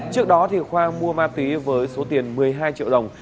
trước đó khoa mua ma túy với số tiền một mươi hai triệu đồng